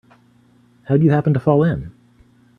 How'd you happen to fall in?